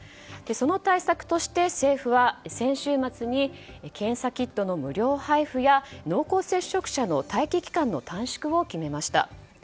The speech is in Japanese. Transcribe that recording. その対策として政府は先週末に検査キットの無料配布や濃厚接触者の待機期間の短縮を決めました。